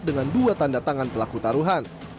dengan dua tanda tangan pelaku taruhan